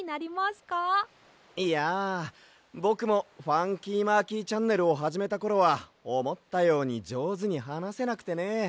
いやぼくも「ファンキーマーキーチャンネル」をはじめたころはおもったようにじょうずにはなせなくてね。